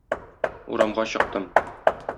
Урамга чыктым.